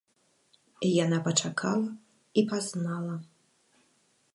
Яна пачакала і пазнала.